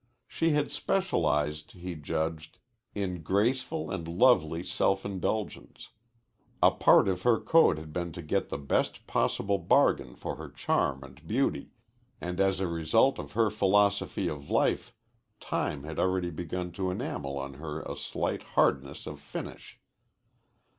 She had specialized, he judged, in graceful and lovely self indulgence. A part of her code had been to get the best possible bargain for her charm and beauty, and as a result of her philosophy of life time had already begun to enamel on her a slight hardness of finish.